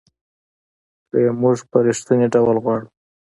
که یې موږ په رښتینې ډول غواړو .